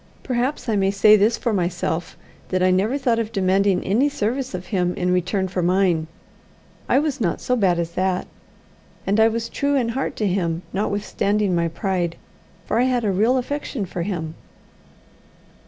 Perhaps I may say this for myself, that I never thought of demanding any service of him in return for mine: I was not so bad as that. And I was true in heart to him notwithstanding my pride, for I had a real affection for him.